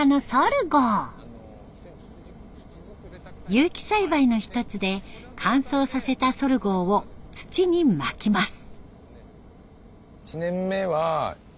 有機栽培の一つで乾燥させたソルゴーを土にまきます。